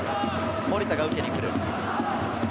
守田が受けに来る。